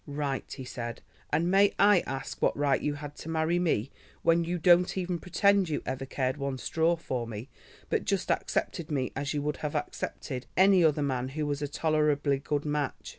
"Right?" he said, "and may I ask what right you had to marry me when you don't even pretend you ever cared one straw for me, but just accepted me as you would have accepted any other man who was a tolerably good match?